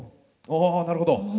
あなるほど。